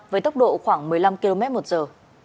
với tốc độ khoảng một mươi năm km một giờ